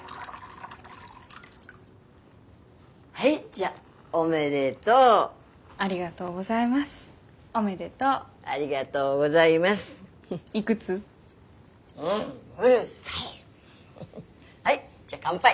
はいじゃあ乾杯。